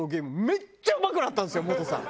めっちゃうまくなったんですよモトさん。